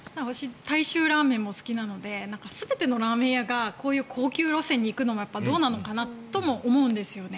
大衆ラーメンも好きなので全てのラーメン屋がこういう高級路線に行くのはどうなのかなとも思うんですね。